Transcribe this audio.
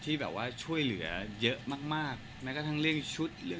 ที่แบบว่าช่วยเหลือเยอะมากแม้กระทั่งเรียกชุด